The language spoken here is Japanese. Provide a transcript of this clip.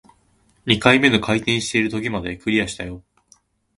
二個目の回転している棘まで、クリアしたよ